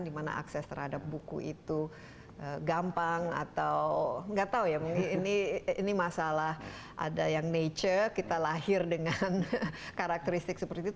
dimana akses terhadap buku itu gampang atau nggak tahu ya mungkin ini masalah ada yang nature kita lahir dengan karakteristik seperti itu